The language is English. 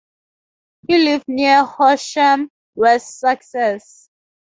He lived near Horsham, West Sussex.